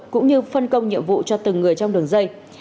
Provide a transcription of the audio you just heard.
cũng như phân công nhiệm vụ cho từng người trong đường dây